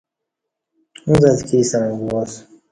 اُݩڅ اتکی ستݩع گواسوم